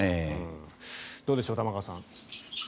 どうでしょう、玉川さん。